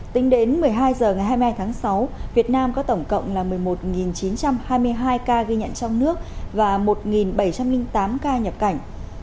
tính đến một mươi hai h ngày hai mươi hai tháng sáu việt nam có tổng cộng là một mươi một chín trăm hai mươi hai ca ghi nhận trong nước và một bảy trăm linh tám ca nhập cảnh